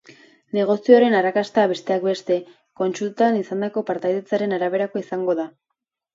Negoziazioaren arrakasta, besteak beste, kontsultan izandako partaidetzaren araberakoa izango da.